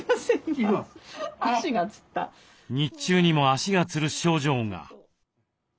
日中にも足がつる症状が。